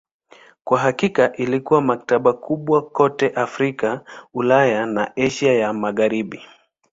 Kwa hakika ilikuwa maktaba kubwa kote Afrika, Ulaya na Asia ya Magharibi.